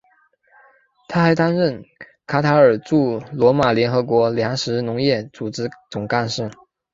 他还担任卡塔尔驻罗马联合国粮食农业组织总干事。